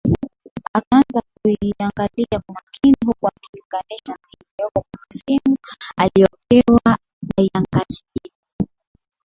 Akaanza kuaingalia kwa makini huku akilinganisha na iliyoko kwenye simu alopewa aiangalie